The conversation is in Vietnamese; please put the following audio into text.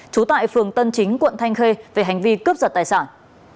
trú tại phường tân chính quận thanh khê về hành vi cướp giật tài sản